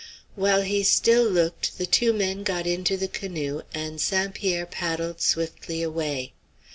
While he still looked the two men got into the canoe and St. Pierre paddled swiftly away.